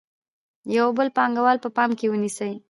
یو بل پانګوال په پام کې ونیسئ